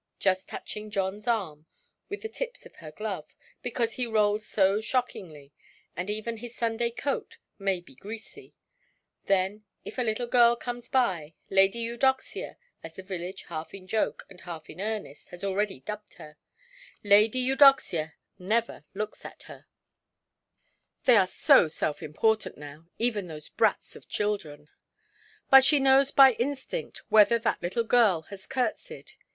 —just touching Johnʼs arm with the tips of her glove, because he rolls so shockingly, and even his Sunday coat may be greasy; then, if a little girl comes by, "Lady Eudoxia"—as the village, half in joke, and half in earnest, has already dubbed her—Lady Eudoxia never looks at her (they are so self–important now, even those brats of children!), but she knows by instinct whether that little girl has curtseyed.